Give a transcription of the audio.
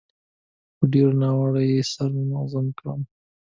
په ډېرو نارو يې سر مغزن کړم.